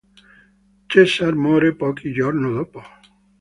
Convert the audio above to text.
Cesar muore pochi giorni dopo.